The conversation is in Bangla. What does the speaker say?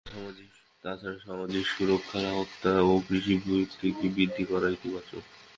তা ছাড়া সামাজিক সুরক্ষার আওতা ও কৃষি ভর্তুকি বৃদ্ধি করা ইতিবাচক।